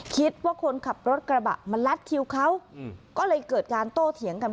คิดว่าคนขับรถกระบะมาลัดคิวเขาก็เลยเกิดการโต้เถียงกัน